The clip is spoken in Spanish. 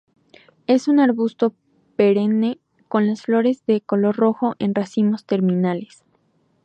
Es un arbusto perenne con las flores de color rojo en racimos terminales.